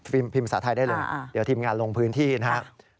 พิมพ์ภาษาไทยได้เลยเดี๋ยวทีมงานลงพื้นที่นะครับ